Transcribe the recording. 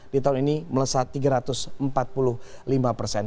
di tahun ini melesat tiga ratus empat puluh lima persen